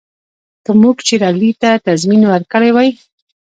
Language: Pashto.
که موږ شېر علي ته تضمین ورکړی وای.